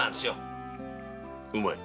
うまい。